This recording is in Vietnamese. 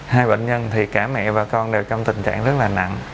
hai bệnh nhân thì cả mẹ và con đều trong tình trạng rất là nặng